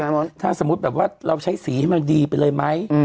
ถ้าสมมุติแบบว่าเราใช้สีให้มันดีไปเลยไหม